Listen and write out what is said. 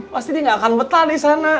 pasti dia gak akan betah disana